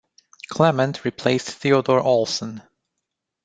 Clement replaced Theodore Olson.